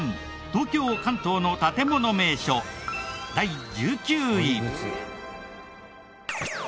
東京・関東の建もの名所第１９位。